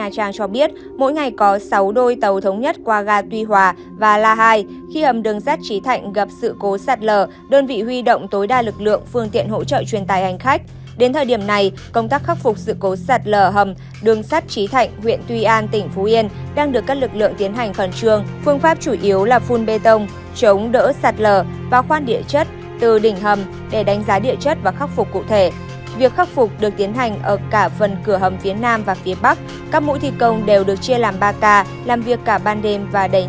các mũi thịt công đều được chia làm ba k làm việc cả ban đêm và đẩy nhanh tiến độ sửa chữa hầm